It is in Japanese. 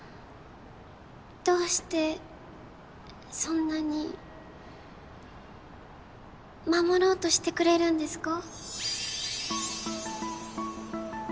どうしてそんなに守ろうとしてくれるんですか？